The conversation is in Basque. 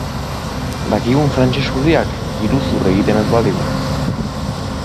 Dakigun frantses urriak iruzur egiten ez badigu.